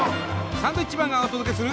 サンドウィッチマンがお届けする。